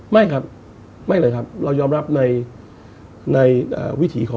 โทษคุณอุ้งอิ๊งเองเราก็รักกันเหมือนน้อง